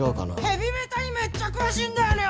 ヘビメタにめっちゃ詳しいんだよね